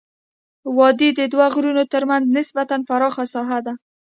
وادي د دوه غرونو ترمنځ نسبا پراخه ساحه ده.